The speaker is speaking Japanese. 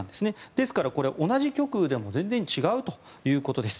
ですからこれは同じ極右でも全然違うということです。